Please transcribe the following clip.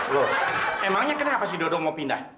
lo emangnya kenapa sih dodo mau pindah